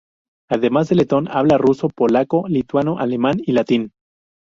Además de letón, habla ruso, polaco, lituano, alemán y latín.